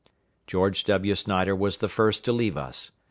George W. Snyder was the first to leave us.